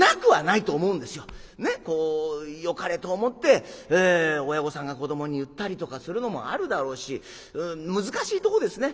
ねっよかれと思って親御さんが子どもに言ったりとかするのもあるだろうし難しいとこですね。